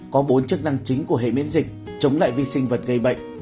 có bốn chức năng chính của hệ miễn dịch chống lại vi sinh vật gây bệnh